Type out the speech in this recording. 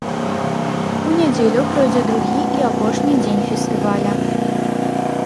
У нядзелю пройдзе другі і апошні дзень фестываля.